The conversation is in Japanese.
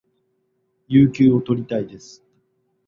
有給を取りたいです